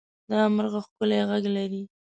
دا مرغه ښکلی غږ لري.